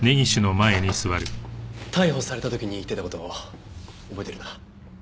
逮捕された時に言ってた事を覚えてるな？